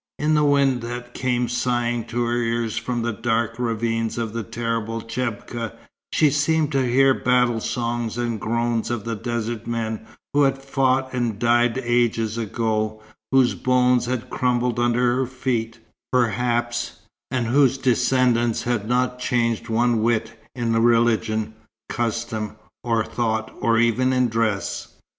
In the wind that came sighing to her ears from the dark ravines of the terrible chebka, she seemed to hear battle songs and groans of desert men who had fought and died ages ago, whose bones had crumbled under her feet, perhaps, and whose descendants had not changed one whit in religion, custom, or thought, or even in dress.